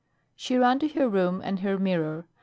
She ran to her room and her mirror.